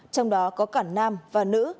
trong đó có cả nam và nữ